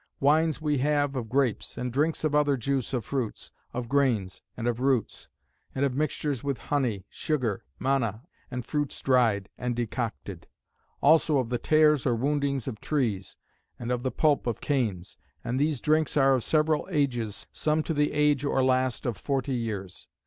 Wines we have of grapes; and drinks of other juice of fruits, of grains, and of roots; and of mixtures with honey, sugar, manna, and fruits dried, and decocted; Also of the tears or woundings of trees; and of the pulp of canes. And these drinks are of several ages, some to the age or last of forty years.